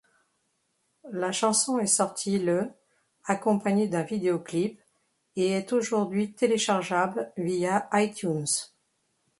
La chanson est sorti le accompagné d'un vidéo-clip, et est aujourd'hui téléchargeable via iTunes.